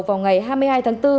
vào ngày hai mươi hai tháng bốn